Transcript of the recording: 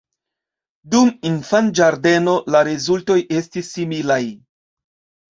Dum infanĝardeno la rezultoj estis similaj.